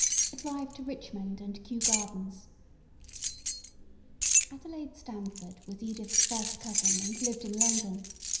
A DRIVE TO RICHMOND AND KEW GARDENS ADELAIDE STAMFORD was Edith's first cousin and lived in London.